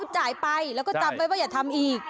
จ่ายไปแล้วก็จำไว้ว่าอย่าทำอีก